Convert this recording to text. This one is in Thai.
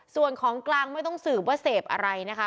ส่วนของกลางไม่ต้องสืบว่าเสพอะไรนะคะ